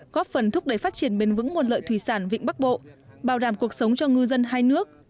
góp phần thúc đẩy phát triển bền vững nguồn lợi thủy sản vịnh bắc bộ bảo đảm cuộc sống cho ngư dân hai nước